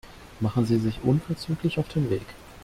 Machen Sie sich unverzüglich auf den Weg.